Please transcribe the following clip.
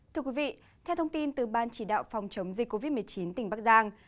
thưa quý vị theo thông tin từ ban chỉ đạo phòng chống dịch covid một mươi chín tỉnh bắc giang